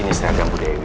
ini seragam bu dewi